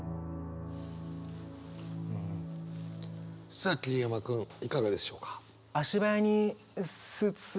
さあ桐山君いかがでしょうか？